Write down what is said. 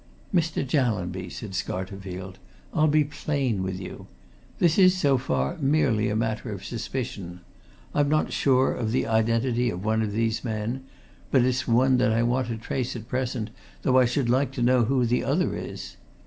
"Mr. Jallanby," said Scarterfield, "I'll be plain with you. This is, so far, merely a matter of suspicion. I'm not sure of the identity of one of these men it's but one I want to trace at present, though I should like to know who the other is.